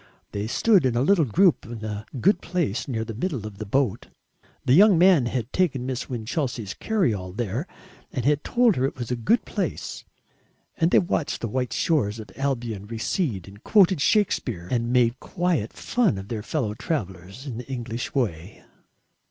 They stood in a little group in a good place near the middle of the boat the young man had taken Miss Winchelsea's carry all there and had told her it was a good place and they watched the white shores of Albion recede and quoted Shakespeare and made quiet fun of their fellow travellers in the English way.